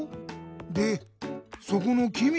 でそこのきみ！